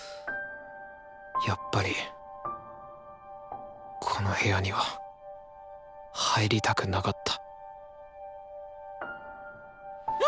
やっぱりこの部屋には入りたくなかったあ！